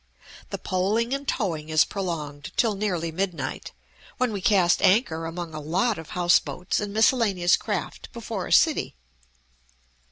The poling and towing is prolonged till nearly midnight, when we cast anchor among a lot of house boats and miscellaneous craft before a city.